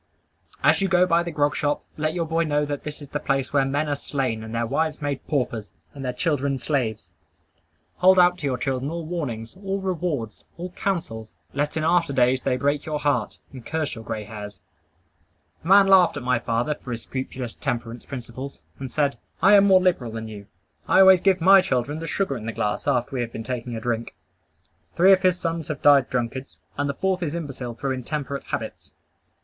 As you go by the grog shop, let your boy know that that is the place where men are slain, and their wives made paupers, and their children slaves. Hold out to your children all warnings, all rewards, all counsels, lest in after days they break your heart, and curse your gray hairs. A man laughed at my father for his scrupulous temperance principles, and said "I am more liberal than you. I always give my children the sugar in the glass after we have been taking a drink." Three of his sons have died drunkards; and the fourth is imbecile through intemperate habits.